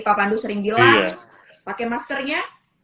pak pandu sering bilang pakai maskernya